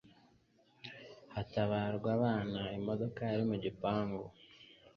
hatabarwa abana n'imodoka yari mu gipangu